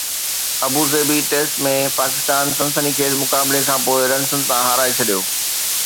Abu Dhabi test ۾ Pakistan سنسني خیز مقابلي کانپوءِ رنسن تان هارائي ڇڏيو